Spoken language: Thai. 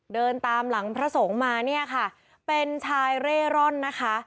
เดินตามหลังพระสงฆ์มาเนี่ยค่ะเป็นชายเร่ร่อนนะคะ